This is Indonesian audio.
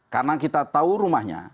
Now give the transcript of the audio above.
karena kita tahu rumahnya